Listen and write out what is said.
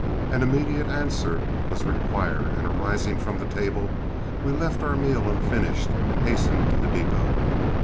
An immediate answer was required, and arising from the table, we left our meal unfinished and hastened to the depot.